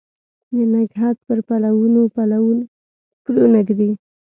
د نګهت پر پلونو پلونه ږدي